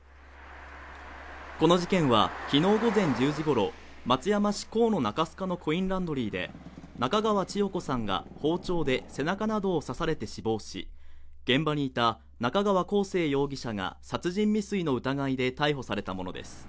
この事件はきのう午前１０時ごろ松山市河野中須賀のコインランドリーで中川千代子さんが包丁で背中などを刺されて死亡し現場にいた中川晃成容疑者が殺人未遂の疑いで逮捕されたものです